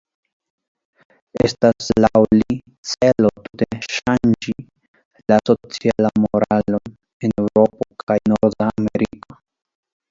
Estas laŭ li celo tute ŝanĝi la socialmoralon en Eŭropo kaj Norda Ameriko.